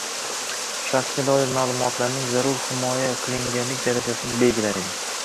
shaxsga doir ma’lumotlarning zarur himoya qilinganlik darajasini belgilaydi;